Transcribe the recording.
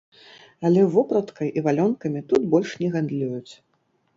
Але вопраткай і валёнкамі тут больш не гандлююць.